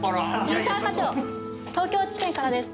水沢課長東京地検からです。